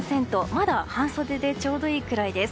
まだ半袖でちょうどいいくらいです。